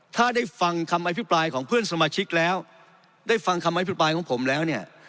ถ้าได้ฟังคำอภิปรายของเพื่อนสมาชิกแล้วได้ฟังคำอภิปรายของผมแล้วเนี่ย